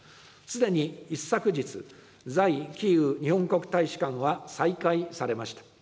すでに一昨日、在キーウ日本国大使館は再開されました。